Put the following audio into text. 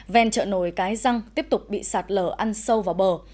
ven chợ nổi cái răng tiếp tục bị sạt lở ăn sâu vào bờ